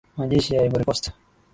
majeshi ya ivory coast